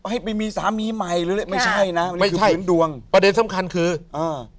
ให้ไปมีสามีใหม่หรือไม่ใช่นะไม่ใช่เห็นดวงประเด็นสำคัญคืออ่า